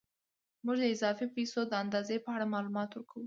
موږ د اضافي پیسو د اندازې په اړه معلومات ورکوو